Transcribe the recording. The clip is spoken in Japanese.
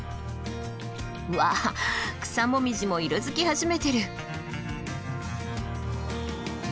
わあ草紅葉も色づき始めてる。